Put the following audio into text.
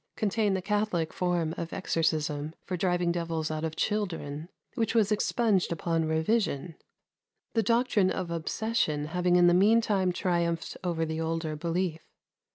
contained the Catholic form of exorcism for driving devils out of children, which was expunged upon revision, the doctrine of obsession having in the mean time triumphed over the older belief.